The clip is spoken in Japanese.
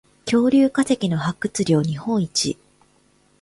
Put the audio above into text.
恐竜化石の発掘量日本一